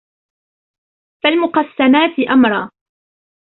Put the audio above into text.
فَالْمُقَسِّمَاتِ أَمْرًا